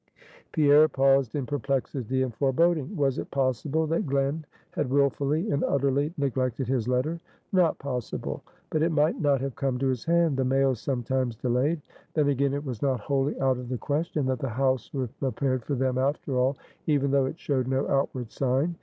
Pierre paused in perplexity and foreboding. Was it possible that Glen had willfully and utterly neglected his letter? Not possible. But it might not have come to his hand; the mails sometimes delayed. Then again, it was not wholly out of the question, that the house was prepared for them after all, even though it showed no outward sign.